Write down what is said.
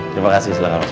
terima kasih silahkan masuk